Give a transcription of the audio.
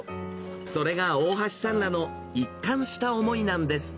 それが大橋さんらの一貫した思いなんです。